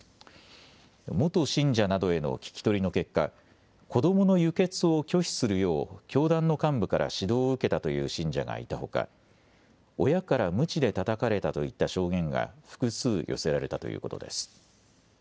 元信者などへの聞き取りの結果、子どもの輸血を拒否するよう教団の幹部から指導を受けたという信者がいたほか親からむちでたたかれたといった証言が複数、寄せられたということです。